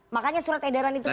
makanya surat edaran itu